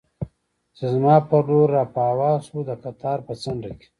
چې زما پر لور را په هوا شو، د قطار په څنډه کې.